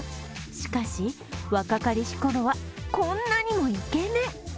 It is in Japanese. しかし、若かりしころは、こんなにもイケメン。